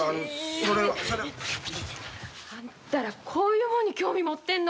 それは。あんたらこういうもんに興味持ってんの？